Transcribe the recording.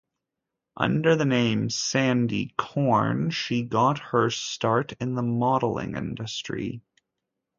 Under the name Sandi Korn, she got her start in the modeling industry.